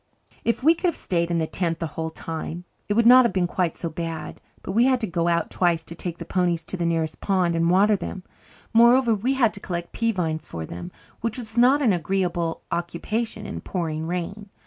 If we could have stayed in the tent the whole time it would not have been quite so bad. But we had to go out twice to take the ponies to the nearest pond and water them; moreover, we had to collect pea vines for them, which was not an agreeable occupation in a pouring rain.